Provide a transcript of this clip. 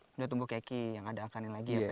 sudah tumbuh keki yang ada akan lagi ya pak ya